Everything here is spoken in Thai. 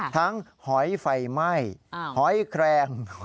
หอยไฟไหม้หอยแครง